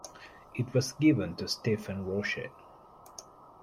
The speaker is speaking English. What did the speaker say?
It was given to Stephen Roche.